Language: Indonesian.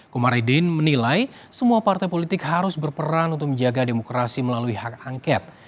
komarudin menilai semua partai politik harus berperan untuk menjaga demokrasi melalui hak angket